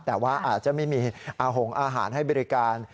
แต่ว่าอาจจะไม่มีอาหงอาหารให้บริการ